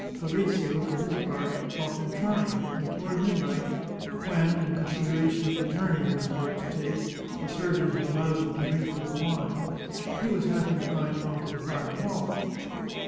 Fabrizio, for his part, thought them charming, and toward midnight, when, in consideration of the journey he was about to take, the surgeon had allowed him to drink a little wine, he was half inclined not to depart at all.